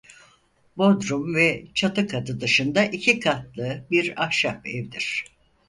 Bodrum ve çatı katı dışında iki katlı bir ahşap evdir.